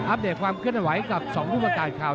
เดตความเคลื่อนไหวกับ๒ผู้ประกาศข่าว